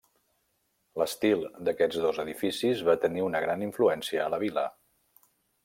L'estil d'aquests dos edificis va tenir una gran influència a la vila.